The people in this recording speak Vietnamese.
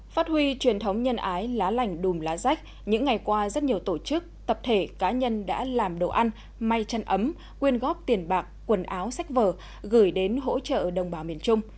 phát huy truyền thống nhân ái lá lành đùm lá rách những ngày qua rất nhiều tổ chức tập thể cá nhân đã làm đồ ăn may chân ấm quyên góp tiền bạc quần áo sách vở gửi đến hỗ trợ đồng bào miền trung